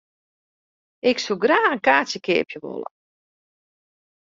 Ik soe graach in kaartsje keapje wolle.